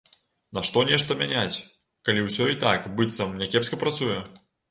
Нашто нешта мяняць, калі ўсё і так, быццам, някепска працуе?